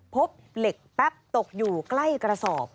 พบเหล็กแป๊บตกอยู่ใกล้กระสอบ